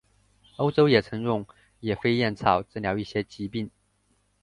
欧洲也曾用野飞燕草治疗一些疾病。